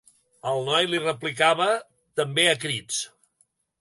El noi li replicava, també a crits.